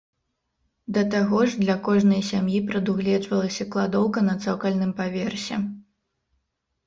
Да таго ж для кожнай сям'і прадугледжвалася кладоўка на цокальным паверсе.